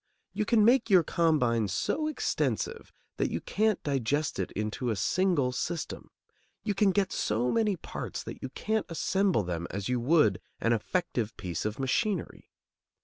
You can make your combine so extensive that you can't digest it into a single system; you can get so many parts that you can't assemble them as you would an effective piece of machinery.